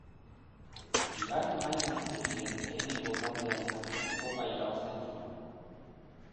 Bigarren mailan zebilen lehenengo taldea izan zen Kopa irabazten zuena.